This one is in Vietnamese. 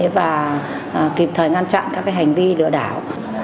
và kịp thời ngăn chặn các hành vi lừa đảo